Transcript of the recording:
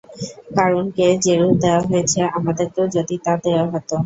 কারূনকে যেরূপ দেয়া হয়েছে আমাদেরকেও যদি তা দেয়া হত!